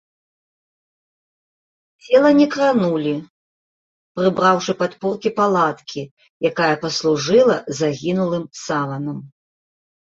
Цела не кранулі, прыбраўшы падпоркі палаткі, якая паслужыла загінулым саванам.